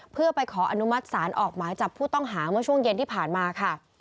เพื่อไปขออนุมัติศาลออกหมายจับผู้ต้องหาเมื่อช่วงเย็นที่ผ่านมาค่ะ